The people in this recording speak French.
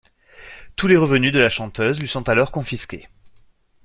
Tous les revenus de la chanteuse lui sont alors confisqués.